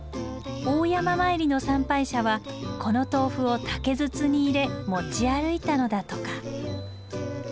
大山詣りの参拝者はこの豆腐を竹筒に入れ持ち歩いたのだとか。